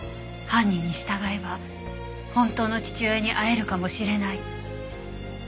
犯人に従えば本当の父親に会えるかもしれない。